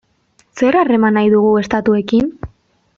Zer harreman nahi dugu estatuekin?